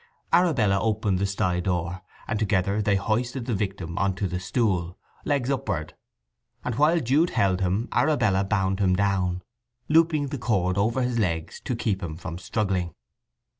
Arabella opened the sty door, and together they hoisted the victim on to the stool, legs upward, and while Jude held him Arabella bound him down, looping the cord over his legs to keep him from struggling.